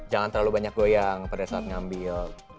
jangan terlalu banyak goyang pada saat ngambil